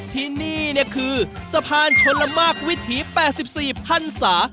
ที่นี่คือสะพานชนละมากวิถี๘๔พันศา